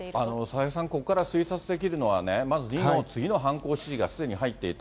佐々木さん、ここから推察できるのはね、まず、２の次の犯行指示がすでに入っていた。